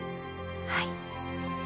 はい。